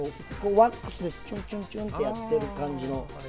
ワックスでちょんちょんってやってる感じの。